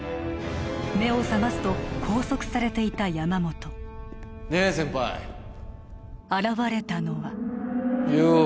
目を覚ますと拘束されていた山本ねえ先輩現れたのはよう